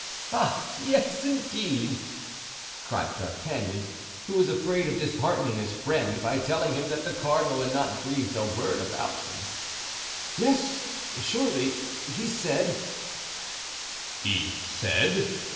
"Ah! yes, indeed!" cried D'Artagnan, who was afraid of disheartening his friend by telling him that the cardinal had not breathed a word about him; "yes, surely, he said——" "He said?"